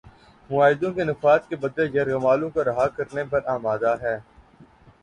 معاہدوں کے نفاذ کے بدلے یرغمالوں کو رہا کرنے پر آمادہ ہے